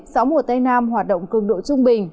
gió mùa tây nam hoạt động cường độ trung bình